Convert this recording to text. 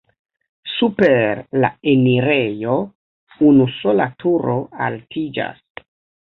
Super la enirejo unusola turo altiĝas.